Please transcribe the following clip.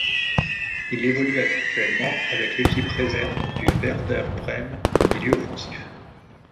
Il évolue actuellement avec l'équipe réserve du Werder Brême comme milieu offensif.